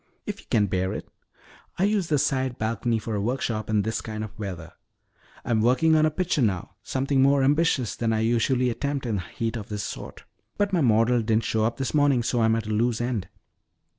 "If you can bear it. I use the side balcony for a workshop in this kind of weather. I'm working on a picture now, something more ambitious than I usually attempt in heat of this sort. But my model didn't show up this morning so I'm at a loose end."